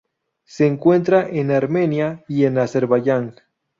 Se encuentra en Armenia y en Azerbaiyán.